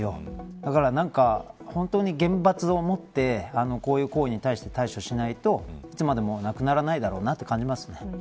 だから本当に厳罰をもってこういう行為に対して対処しないと、いつまでもなくならないだろうと感じます。